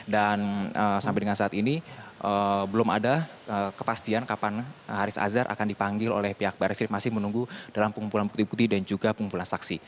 dan sampai dengan saat ini belum ada kepastian kapan haris azhar akan dipanggil oleh pihak baris rief masih menunggu dalam pengumpulan bukti bukti dan juga pengumpulan saksi